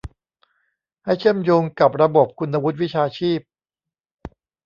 ให้เชื่อมโยงกับระบบคุณวุฒิวิชาชีพ